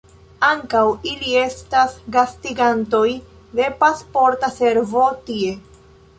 Ankaŭ ili estas gastigantoj de Pasporta Servo tie.